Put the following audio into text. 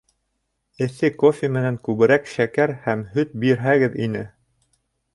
— Эҫе кофе менән күберәк шәкәр һәм һөт бирһәгеҙ ине.